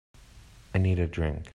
I need a drink.